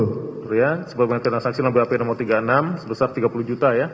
betul ya sebagian tina saksi nomor tiga puluh enam sebesar rp tiga puluh juta ya